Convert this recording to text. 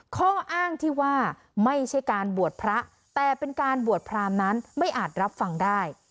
ข้ออ้างที่ว่าไม่ใช่การบวชพระแต่เป็นการบวชพรามนั้นไม่อาจรับฟังได้